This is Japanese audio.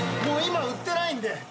もう今売ってないんで。